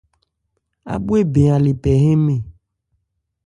Ábhwe bɛn a le pɛ hɛ́nmɛn.